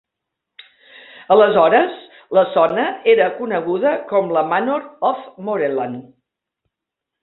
Aleshores, la zona era coneguda com la "Manor of Moreland".